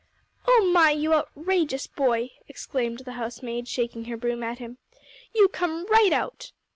"Oh my! you outrageous boy!" exclaimed the housemaid, shaking her broom at him. "You come right out."